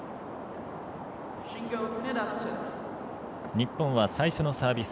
日本は最初のサービス